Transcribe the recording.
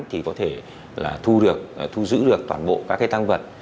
thì có thể là thu được thu giữ được toàn bộ các cái tăng vật